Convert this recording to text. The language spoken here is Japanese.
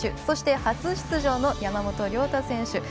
そして、初出場の山本涼太選手。